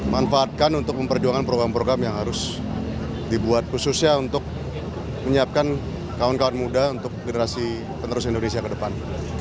manfaatkan untuk memperjuangkan program program yang harus dibuat khususnya untuk menyiapkan kawan kawan muda untuk generasi penerus indonesia ke depan